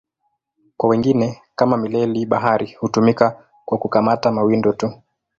Kwa wengine, kama mileli-bahari, hutumika kwa kukamata mawindo tu.